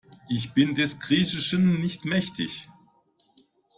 Ich bin des Griechischen nicht mächtig.